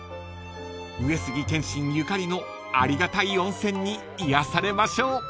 ［上杉謙信ゆかりのありがたい温泉に癒やされましょう］